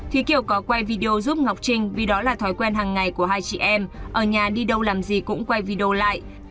thì kiều có quay video giúp ngọc trinh vì đó là thói quen hàng ngày của hai chị em ở nhà đi đâu làm gì cũng quay video lại